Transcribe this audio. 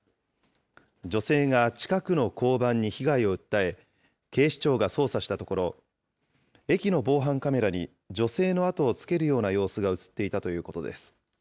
女性が近くの交番に被害を訴え、警視庁が捜査したところ、駅の防犯カメラに女性の後をつけるような様子が写っていたということです。